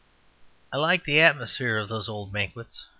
I like the atmosphere of those old banquets.